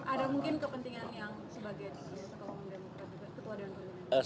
ada mungkin kepentingan yang sebagai ketua demokrasi